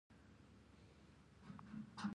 او د داسې سوالونو جواب کولے شي -